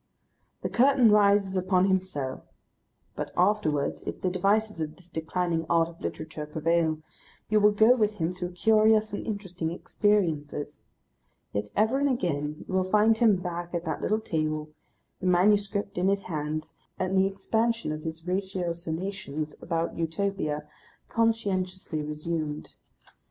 The curtain rises upon him so. But afterwards, if the devices of this declining art of literature prevail, you will go with him through curious and interesting experiences. Yet, ever and again, you will find him back at that little table, the manuscript in his hand, and the expansion of his ratiocinations about Utopia conscientiously resumed.